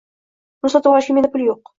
Uni sotib olishga menda pul yoʻq.